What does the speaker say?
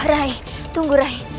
rai tunggu rai